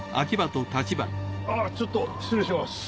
ああちょっと失礼します。